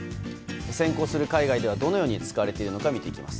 先行する海外ではどのように使われているか見ていきます。